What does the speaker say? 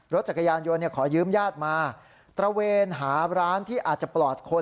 รถจักรยานยนต์ขอยืมญาติมาตระเวนหาร้านที่อาจจะปลอดคน